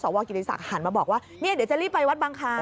สวกิติศักรถรีบหันมาบอกว่าเดี๋ยวจะรีบไปวัดบางคาร